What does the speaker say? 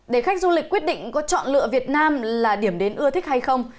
để khách du lịch quyết định có chọn lựa việt nam là điểm đến ưa thích hay không